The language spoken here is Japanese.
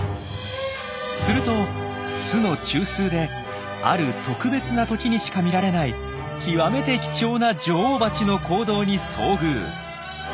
すると巣の中枢である特別な時にしか見られない極めて貴重な女王バチの行動に遭遇。